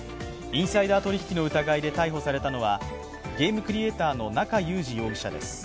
インサイダー取引の疑いで逮捕されたのは、ゲームクリエーターの中裕司容疑者です。